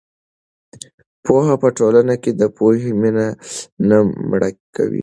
پوهه په ټولنه کې د پوهې مینه نه مړه کوي.